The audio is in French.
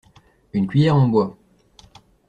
Une cuillère en bois.